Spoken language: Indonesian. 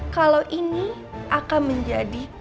kalau ini akan menjadi